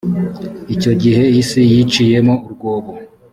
icyo gihe isi yiciyemo urwobo.